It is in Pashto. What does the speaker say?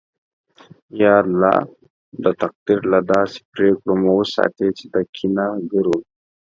یا الله! د تقدیر له داسې پرېکړو مو وساتې چې د کینه گرو